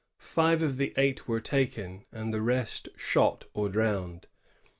Five of the eight were taken, and the rest shot or drowned.